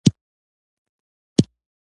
لومړی د فابریکې د طرحې جوړول دي.